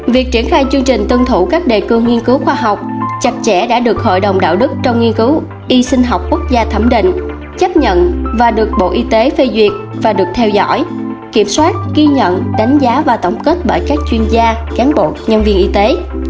việc triển khai chương trình tuân thủ các đề cương nghiên cứu khoa học chặt chẽ đã được hội đồng đạo đức trong nghiên cứu y sinh học quốc gia thẩm định chấp nhận và được bộ y tế phê duyệt và được theo dõi kiểm soát ghi nhận đánh giá và tổng kết bởi các chuyên gia cán bộ nhân viên y tế